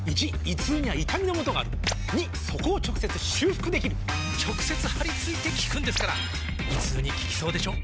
①胃痛には痛みのもとがある②そこを直接修復できる直接貼り付いて効くんですから胃痛に効きそうでしょ？